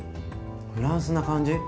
フランスな感じ